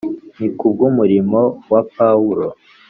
Ni kubw’umurimo wa Pawulo.